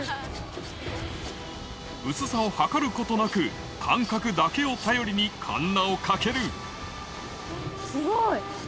薄さを測ることなく感覚だけを頼りにかんなをかけるすごい！